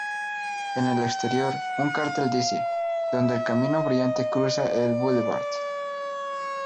En el exterior, un cartel dice: "Donde el camino brillante cruza el Boulevard.